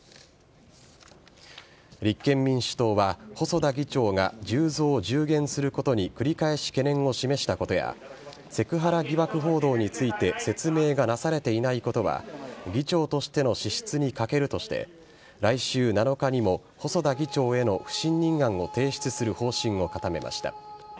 立憲民主党は、細田議長が１０増１０減することに繰り返し懸念を示したことやセクハラ疑惑報道について説明がなされていないことは議長としての資質に欠けるとして来週７日にも細田議長への不信任案を提出する方針を固めました。